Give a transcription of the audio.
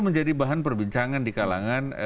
menjadi bahan perbincangan di kalangan